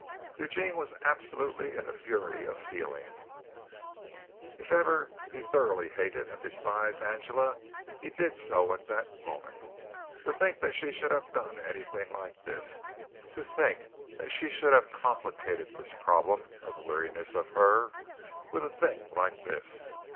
Eugene was absolutely in a fury of feeling. If ever he thoroughly hated and despised Angela, he did so at that moment. To think that she should have done anything like this! To think that she should have complicated this problem of weariness of her with a thing like this!